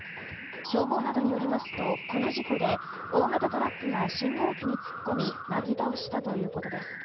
消防などによりますとこの事故で大型トラックが信号機に突っ込みなぎ倒したということです。